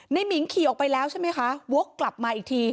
หมิงขี่ออกไปแล้วใช่ไหมคะวกกลับมาอีกที